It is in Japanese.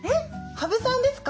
羽生さんですか？